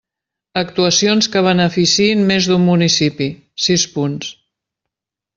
Actuacions que beneficiïn més d'un municipi: sis punts.